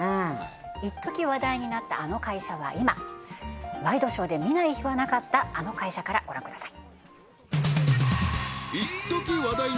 いっとき話題になったあの会社は今ワイドショーで見ない日はなかったあの会社からご覧ください